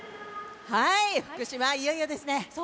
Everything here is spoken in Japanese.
福島、いよいよですね。